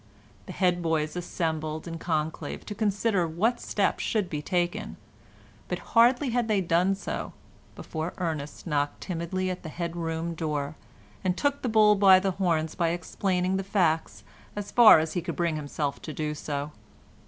The head boys assembled in conclave to consider what steps should be taken, but hardly had they done so before Ernest knocked timidly at the head room door and took the bull by the horns by explaining the facts as far as he could bring himself to do so.